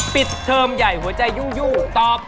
เทอมใหญ่หัวใจยู่ตอบ